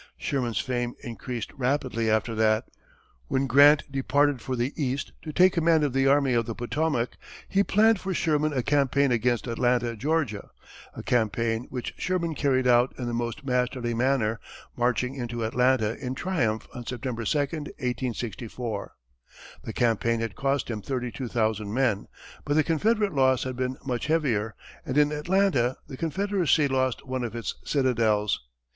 Sherman's fame increased rapidly after that. When Grant departed for the East to take command of the Army of the Potomac, he planned for Sherman a campaign against Atlanta, Georgia a campaign which Sherman carried out in the most masterly manner, marching into Atlanta in triumph on September 2, 1864. The campaign had cost him thirty two thousand men, but the Confederate loss had been much heavier, and in Atlanta the Confederacy lost one of its citadels.